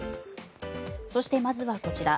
そして、まずはこちら。